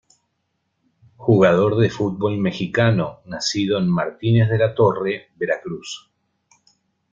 Jugador de fútbol mexicano, nacido en Martínez de la Torre, Veracruz.